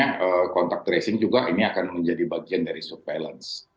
karena kontak tracing juga ini akan menjadi bagian dari surveillance